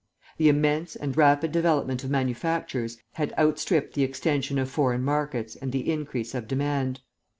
The immense and rapid development of manufactures had outstripped the extension of foreign markets and the increase of demand.